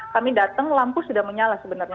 kami datang lampu sudah menyala sebenarnya